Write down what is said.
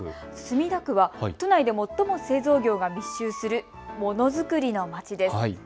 墨田区は都内で最も製造業が密集するものづくりの街です。